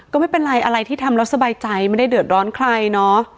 ก็ไม่เป็นไรอะไรที่ทำแล้วสบายใจไม่ได้เดือดร้อนใครเนาะ